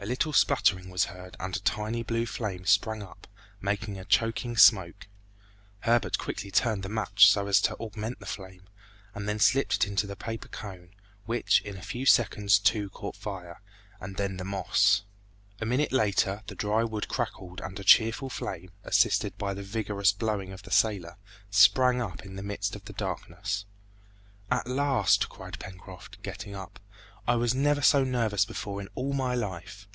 A little spluttering was heard and a tiny blue flame sprang up, making a choking smoke. Herbert quickly turned the match so as to augment the flame, and then slipped it into the paper cone, which in a few seconds too caught fire, and then the moss. A minute later the dry wood crackled and a cheerful flame, assisted by the vigorous blowing of the sailor, sprang up in the midst of the darkness. "At last!" cried Pencroft, getting up; "I was never so nervous before in all my life!"